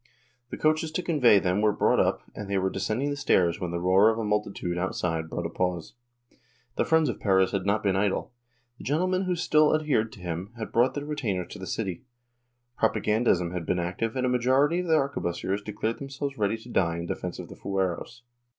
The coaches to convey them were brought up and they were descending the stairs when the roar of a multitude outside brought a pause. The friends of Perez had not been idle. The gentlemen who still adhered to him had brought their retainers to the city ; prop agandism had been active and a majority of the arquebusiers declared themselves ready to die in defence of the fueros.